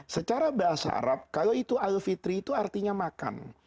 secara bahasa arab kalau itu alfitri itu artinya makan